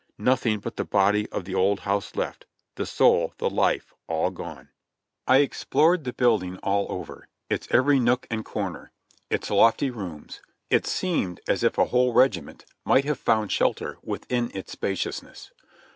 Nothing but the body of the old house left — the soul, the life, all gone ! I explored the building all over, its every nook and corner, its THE GHOST OF CHANTILI.Y 89 lofty rooms; it seemed as if a whole regiment might have found shelter within its spaciousness.